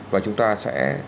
và chúng ta sẽ